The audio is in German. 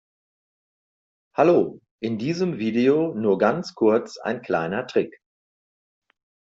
Hallo, in diesem Video nur ganz kurz ein kleiner Trick.